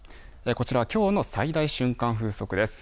こちらきょうの最大瞬間風速です。